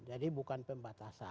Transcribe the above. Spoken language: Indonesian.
jadi bukan pembatasan